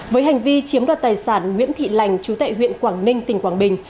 với hành vi chiếm đoạt tài sản nguyễn thị lành chú tệ huyện quảng ninh tỉnh quảng bình